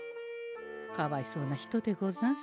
かわいそうな人でござんすよ。